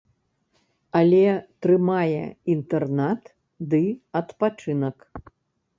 Але трымае інтэрнат ды адпачынак.